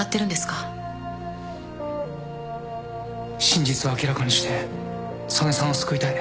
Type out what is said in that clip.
真実を明らかにして曽根さんを救いたい。